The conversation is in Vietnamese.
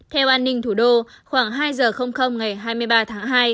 theo an ninh thủ đô khoảng hai giờ ngày hai mươi ba tháng hai